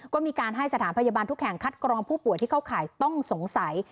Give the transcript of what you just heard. ก็มีการให้สถานพยาบาลทุกแห่งคัดกรองผู้ป่วยที่เข้าข่ายต้องสงสัย